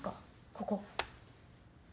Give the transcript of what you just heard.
ここ。